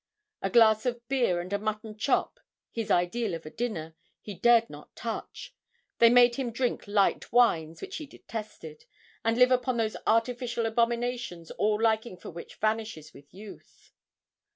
A glass of beer and a mutton chop his ideal of a dinner he dared not touch. They made him drink light wines, which he detested, and live upon those artificial abominations all liking for which vanishes with youth.